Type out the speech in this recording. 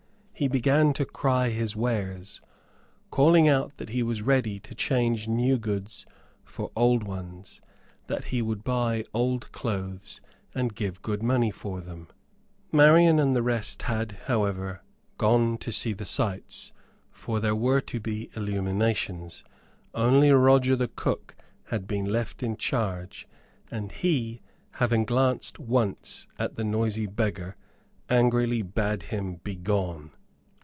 He began to cry his wares, calling out that he was ready to change new goods for old ones, that he would buy old clothes and give good money for them. Marian and the rest had, however, gone to see the sights, for there were to be illuminations. Only Roger the cook had been left in charge, and he, having glanced once at the noisy beggar, angrily bade him begone.